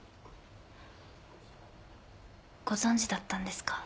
ご存じだったんですか？